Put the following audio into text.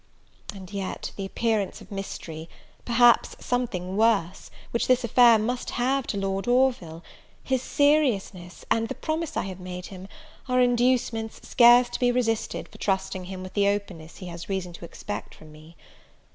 And yet, the appearance of mystery, perhaps something worse, which this affair must have to Lord Orville, his seriousness, and the promise I have made him, are inducements scarce to be resisted for trusting him with the openness he has reason to expect from me.